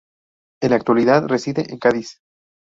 En la actualidad reside en Cádiz.